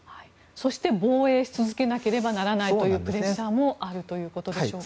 そして防衛し続けなければならないプレッシャーもあるということでしょうか。